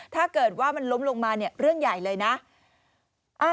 ถ้าเกิดว่ามันล้มลงมาเนี่ยเรื่องใหญ่เลยนะ